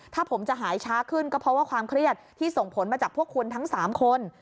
ถ้าผมจะหายช้าขึ้นก็เพราะว่าความเครียดที่ส่งผลมาจากพวกคุณทั้ง๓คน